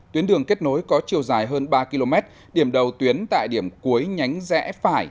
tuyến đường kết nối có chiều dài hơn ba km điểm đầu tuyến tại điểm cuối nhánh rẽ phải